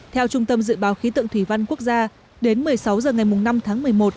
theo trung tâm dự báo khí tượng thủy văn quốc gia đến một mươi sáu h ngày năm tháng một mươi một